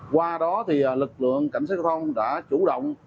qua đó thì lực lượng cảnh sát giao thông đã chủ động